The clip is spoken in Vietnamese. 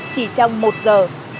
chỉ trong một giờ